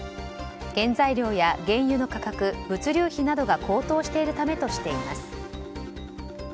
原材料や原油の価格物流費などが高騰しているためとしています。